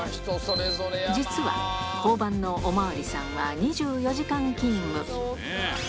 実は、交番のお巡りさんは２４時間勤務。